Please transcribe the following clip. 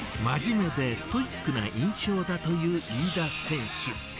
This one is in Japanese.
真面目でストイックな印象だという飯田選手。